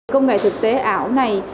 công nghệ thực tế ảo này